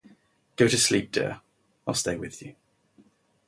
Go to sleep, dear; I'll stay with you.